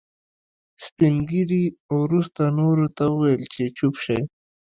سپين ږيري وروسته نورو ته وويل چې چوپ شئ.